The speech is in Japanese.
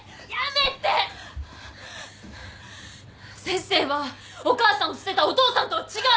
先生はお母さんを捨てたお父さんとは違う！